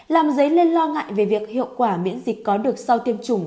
làm dấy lên lo ngại về việc hiệu quả miễn dịch có được sau tiêm chủng